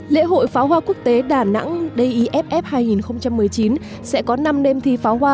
lễ hội pháo hoa quốc tế đà nẵng dayff hai nghìn một mươi chín sẽ có năm đêm thi pháo hoa